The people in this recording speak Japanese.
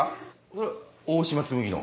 それは大島紬の？